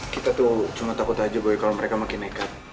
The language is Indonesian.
kita tuh cuma takut aja gue kalau mereka makin nekat